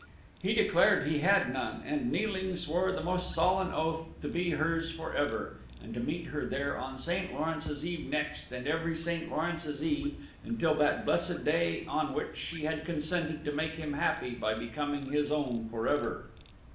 He declared he had none; and kneeling, swore the most solemn oath to be hers forever, and to meet her there on St. Lawrence's Eve next, and every St. Lawrence's Eve until that blessed day on which she had consented to make him happy by becoming his own forever.